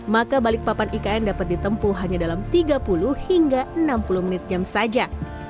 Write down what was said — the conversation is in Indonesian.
maka balikpapan ikn dapat ditempuh hanya dalam tiga puluh hingga enam puluh menit jam saja